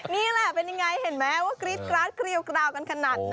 นี่แหละเป็นยังไงเห็นไหมว่ากรี๊ดกราดเกลียวกราวกันขนาดนั้น